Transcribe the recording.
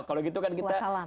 kalau gitu kan kita